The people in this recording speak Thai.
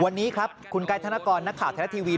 วันนี้ครับคุณกายธนกรนักข่าวแทนฐ์ทีวี